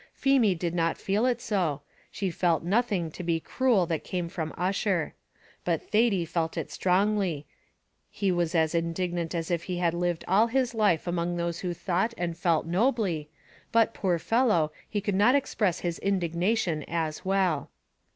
Feemy did not feel it so, she felt nothing to be cruel that came from Ussher; but Thady felt it strongly, he was as indignant as if he had lived all his life among those who thought and felt nobly, but, poor fellow, he could not express his indignation as well.